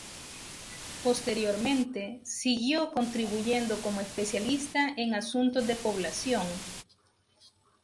Posteriormente siguió contribuyendo como especialista en asuntos de población.